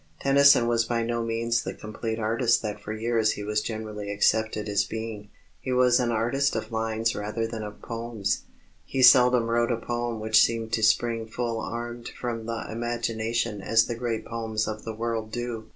Tennyson was by no means the complete artist that for years he was generally accepted as being. He was an artist of lines rather than of poems. He seldom wrote a poem which seemed to spring full armed from the imagination as the great poems of the world do.